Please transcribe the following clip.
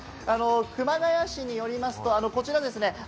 熊谷市によりますと、こちらですね。